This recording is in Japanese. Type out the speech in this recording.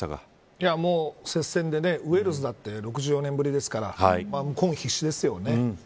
接戦でウェールズだって６４年ぶりですから向こうも必死ですよね。